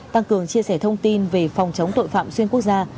tăng cường chia sẻ thông tin về phòng chống tội phạm xuyên quốc gia